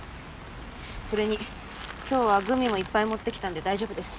それに今日はグミもいっぱい持ってきたんで大丈夫です。